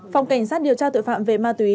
phòng cảnh sát điều tra tội phạm về ma túy